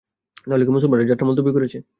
তাহলে কি মুসলমানরা যাত্রা মুলতবি করেছে?